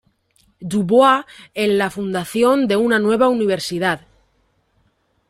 DuBois en la fundación de una nueva universidad.